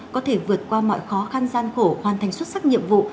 có thể vượt qua mọi khó khăn gian khổ hoàn thành xuất sắc nhiệm vụ